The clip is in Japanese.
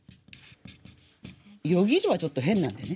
「過る」はちょっと変なんだよね。